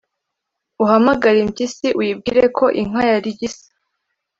uhamagare impyisi, uyibwire ko inka yarigise,